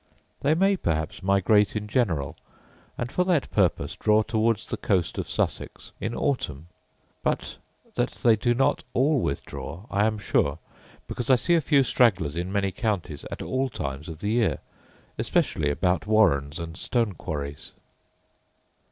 They may, perhaps, migrate in general; and, for that purpose, draw towards the coast of Sussex in autumn; but that they do not all withdraw I am sure; because I see a few stragglers in many counties, at all times of the year, especially about warrens and stone quarries.